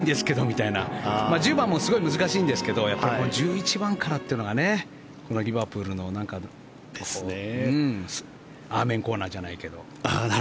なんか１０番まではいいんですけどみたいな１０番もすごい難しいんですけどこの１１番からっていうのがリバプールのアーメンコーナーじゃないけど。